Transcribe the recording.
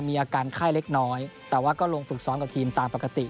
มีอาการไข้เล็กน้อยแต่ว่าก็ลงฝึกซ้อมกับทีมตามปกติ